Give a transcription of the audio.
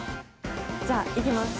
じゃあいきます。